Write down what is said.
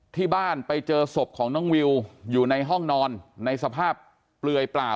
ที่บ้านไปเจอศพของน้องวิวอยู่ในห้องนอนในสภาพเปลือยเปล่า